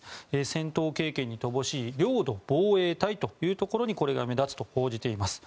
戦闘経験に乏しい領土防衛隊というところにこれが目立つと報じています。